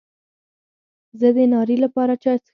زه د ناري لپاره چای څښم.